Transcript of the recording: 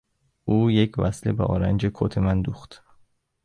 او یک وصله به آرنج کت من دوخت.